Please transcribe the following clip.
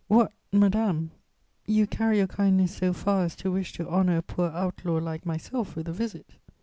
_ "What, madame, you carry your kindness so far as to wish to honour a poor outlaw like myself with a visit!